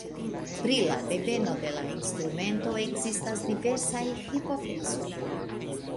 Pri la deveno de la instrumento ekzistas diversaj hipotezoj.